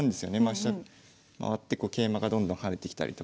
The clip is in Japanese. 飛車回って桂馬がどんどん跳ねてきたりとか。